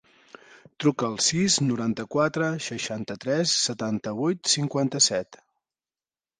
Truca al sis, noranta-quatre, seixanta-tres, setanta-vuit, cinquanta-set.